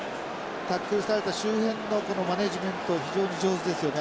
タックルされた周辺のこのマネジメント非常に上手ですよね。